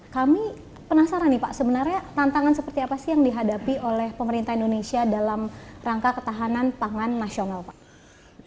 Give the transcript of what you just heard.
kami penasaran nih pak sebenarnya tantangan seperti apa sih yang dihadapi oleh pemerintah indonesia dalam rangka ketahanan pangan nasional pak